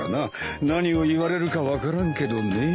何を言われるか分からんけどねえ。